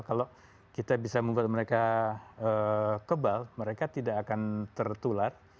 kalau kita bisa membuat mereka kebal mereka tidak akan tertular